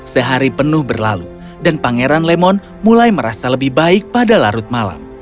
sehari penuh berlalu dan pangeran lemon mulai merasa lebih baik pada larut malam